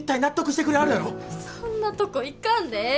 そんなとこ行かんでええ！